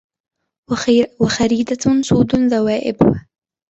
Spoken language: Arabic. وخريدة سود ذوائبها